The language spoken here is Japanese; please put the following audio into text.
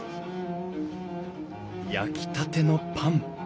焼きたてのパン。